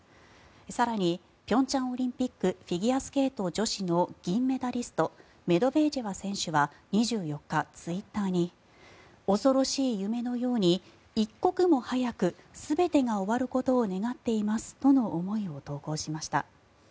更に平昌オリンピックフィギュアスケート女子の銀メダリストメドベージェワ選手は２４日ツイッターに恐ろしい夢のように、一刻も早く全てが終わることを願っていますとの思いを投稿しました。